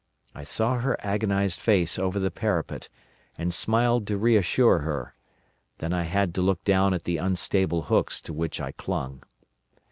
I saw her agonised face over the parapet, and smiled to reassure her. Then I had to look down at the unstable hooks to which I clung.